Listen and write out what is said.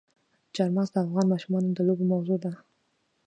چار مغز د افغان ماشومانو د لوبو موضوع ده.